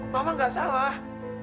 mama gak salah